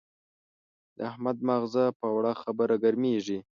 د احمد ماغزه په وړه خبره ګرمېږي.